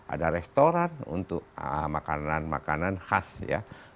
ada restoran untuk makanan makanan khas ya